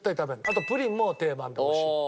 あとプリンも定番で買うし。